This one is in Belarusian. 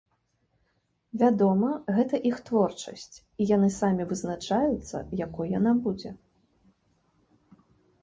Вядома, гэта іх творчасць і яны самі вызначаюцца, якой яна будзе.